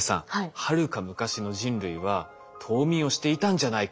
はるか昔の人類は冬眠をしていたんじゃないか。